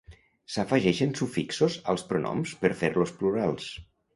S'afegeixen sufixos als pronoms per fer-los plurals.